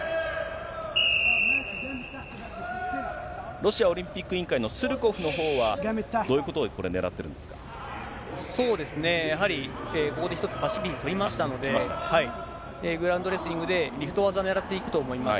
ロシアオリンピック委員会のスルコフのほうはどういうことをねらそうですね、やはりここで１つ、パッシビティ取りましたので、グラウンド・レスリングでレフト技をねらっていると思います。